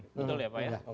betul ya pak ya